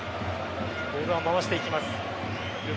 ボールを回していきます。